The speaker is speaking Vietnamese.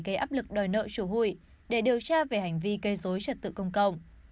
gây áp lực đòi nợ chủ hụi để điều tra về hành vi gây dối trật tự công cộng